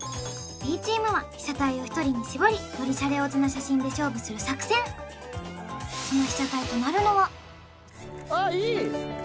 Ｂチームは被写体を１人にしぼりよりシャレオツな写真で勝負する作戦そのああいい！